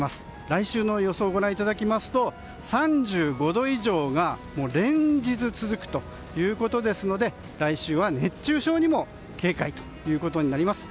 来週の予想をご覧いただくと３５度以上が連日続くということですので来週は熱中症にも警戒ということになります。